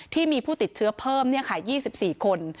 ที่มีผู้ติดเชื้อเพิ่มยี่สิบสี่คน